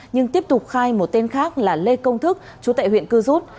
nhưng tiếp tục khai một tên khác là lê công thức chú tại huyện cư rút